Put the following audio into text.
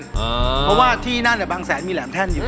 เพราะว่าที่นั่นบางแสนมีแหลมแท่นอยู่